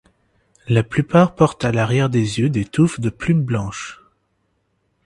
La plupart portent à l'arrière des yeux des touffes de plumes blanches.